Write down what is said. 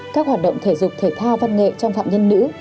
các hoạt động thể dục thể thao văn nghệ trong phạm nhân nữ